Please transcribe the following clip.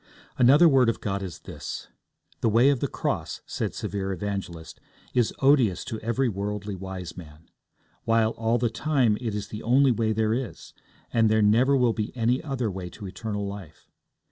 Another word of God is this. The way of the cross, said severe Evangelist, is odious to every worldly wise man; while, all the time, it is the only way there is, and there never will be any other way to eternal life.